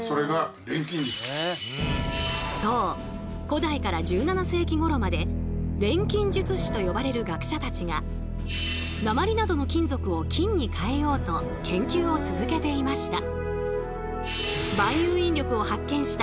古代から１７世紀頃まで錬金術師と呼ばれる学者たちが鉛などの金属を金に変えようと研究を続けていました。